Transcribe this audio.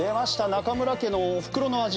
中村家のおふくろの味。